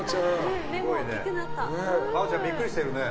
真央ちゃん、ビックリしてるね。